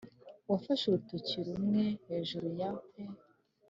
wafashe urutoki rumwe hejuru ya pee;